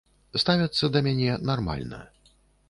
Ставяцца да мяне нармальна.